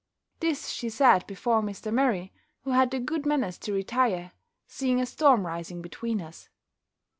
This she said before Mr. Murray, who had the good manners to retire, seeing a storm rising between us.